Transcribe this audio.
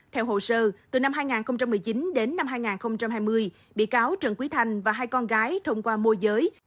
theo hồ sơ từ năm hai nghìn một mươi chín đến năm hai nghìn hai mươi bị cáo trần quý thanh và hai con gái thông qua mô giới